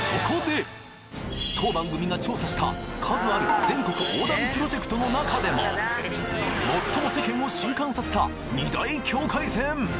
当番組が調査した数ある全国横断プロジェクトの中でも最も世間を震撼させた２大境界線！